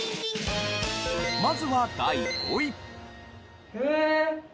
まずは第５位。